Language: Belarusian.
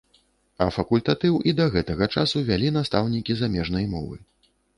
А факультатыў і да гэтага часу вялі настаўнікі замежнай мовы.